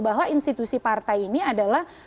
bahwa institusi partai ini adalah